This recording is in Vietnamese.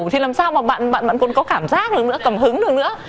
thì làm sao mà bạn vẫn còn có cảm giác được nữa cảm hứng được nữa